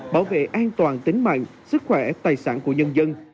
bảo vệ an toàn tính mạng sức khỏe tài sản của nhân dân